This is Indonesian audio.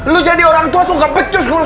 lu jadi orangtua tuh kepecusan